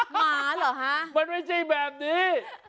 มันไม่ใช่แบบนี้